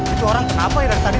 itu orang kenapa yang tadi